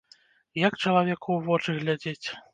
Як чалавеку ў вочы глядзець?